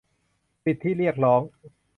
สิทธิเรียกร้อง